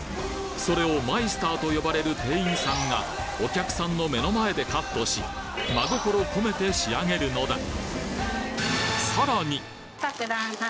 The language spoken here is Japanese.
それをマイスターと呼ばれる店員さんがお客さんの目の前でカットし真心こめて仕上げるのだ何？